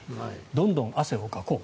どんどん汗をかこう。